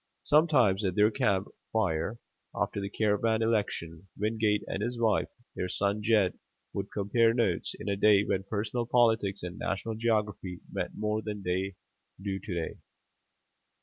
Sometimes at their camp fire, after the caravan election, Wingate and his wife, their son Jed, would compare notes, in a day when personal politics and national geography meant more than they do to day.